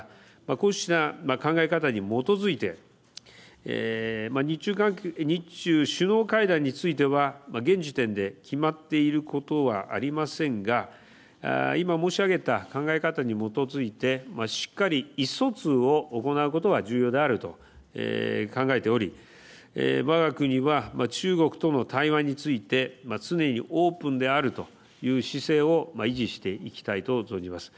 こうした考え方に基づいて日中首脳会談については現時点で決まっていることはありませんが今、申し上げた考え方に基づいてしっかり意思疎通を行うことは重要であると考えておりわが国は、中国との対話について常にオープンであるという姿勢を維持していきたいと存じます。